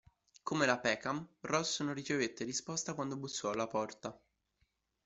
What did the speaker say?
Come la Peckham, Ross non ricevette risposta quando bussò alla porta.